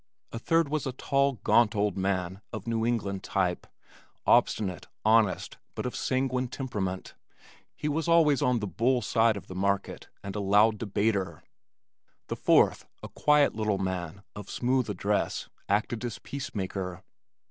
A third was a tall gaunt old man of New England type, obstinate, honest, but of sanguine temperament. He was always on the bull side of the market and a loud debater. The fourth, a quiet little man of smooth address, acted as peacemaker.